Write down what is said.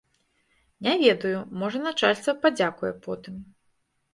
Не ведаю, можа начальства падзякуе потым.